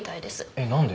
えっ何で？